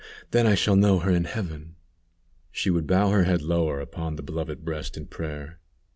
then, I shall know her in heaven," she would bow her head lower upon the beloved breast in prayer.